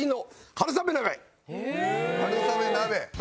春雨鍋。